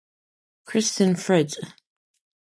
Christian Frid.